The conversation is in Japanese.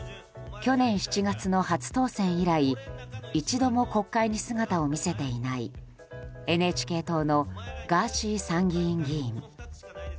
去年７月の初当選以来一度も国会に姿を見せていないＮＨＫ党のガーシー参議院議員。